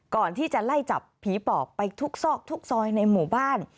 ก่อนที่จะไล่จับผีปอบไปทุกซอกทุกซอยในหมู่บ้าน